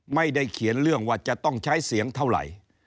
ไม่ได้เขียนเรื่องว่าจะต้องใช้เสียงเท่าไหร่